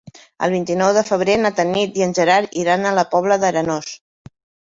El vint-i-nou de febrer na Tanit i en Gerard iran a la Pobla d'Arenós.